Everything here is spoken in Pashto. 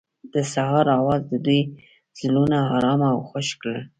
د سهار اواز د دوی زړونه ارامه او خوښ کړل.